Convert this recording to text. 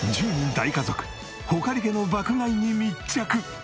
大家族穂苅家の爆買いに密着！